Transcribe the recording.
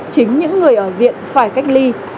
chính những người ở diện phải cách ly